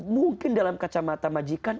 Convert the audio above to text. mungkin dalam kacamata majikan